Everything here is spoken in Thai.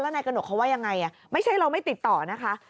นายกระหนกเขาว่ายังไงไม่ใช่เราไม่ติดต่อนะคะ